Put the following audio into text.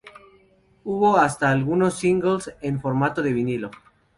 Hubo hasta algunos singles en formato de vinilo.